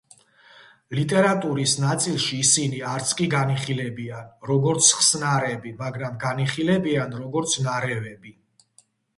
ლიტერატურის ნაწილში, ისინი არც კი განიხილებიან, როგორც ხსნარები, მაგრამ განიხილებიან, როგორც ნარევები.